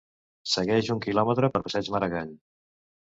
Segueix un kilòmetre per Passeig Maragall